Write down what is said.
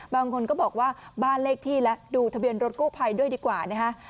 บางคนบอกว่าบ้านเล็กที่และดูทะเบียนรถกู้ไพด์ด้วยดีกว่า